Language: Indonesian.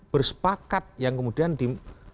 bersepakat yang kemudian di